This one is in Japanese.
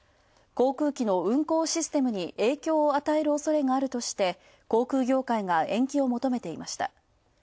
航空機の運行システムに影響を与えるおそれがあるとして、航空業界が延期を求めていました。